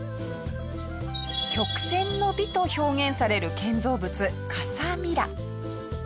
曲線の美と表現される建造物カサ・ミラ。